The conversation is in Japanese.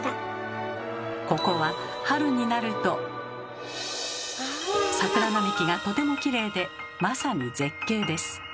ここは桜並木がとてもきれいでまさに絶景です。